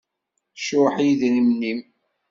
Cuḥ i yidrimen-im.